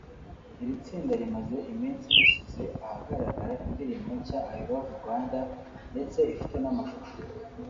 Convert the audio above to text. Iri tsinda rimaze iminsi reshyize ahagaragara indirimbo nshya“I love Rwanda” ndetse ifite n’amashusho